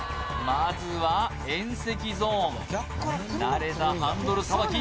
まずは縁石ゾーン慣れたハンドルさばき